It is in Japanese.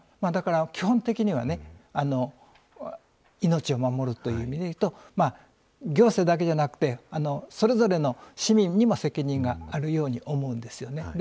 基本的には命を守るという意味で言うと行政だけじゃなくてそれぞれの市民にも責任があるように思うんですよね。